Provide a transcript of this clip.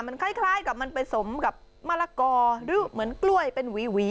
มันคล้ายกับมันไปสมกับมะละกอหรือเหมือนกล้วยเป็นหวี